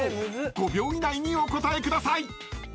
［５秒以内にお答えください］